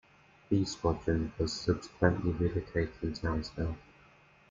'B' Squadron was subsequently relocated in Townsville.